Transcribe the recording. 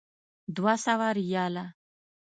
دوه سوه ریاله.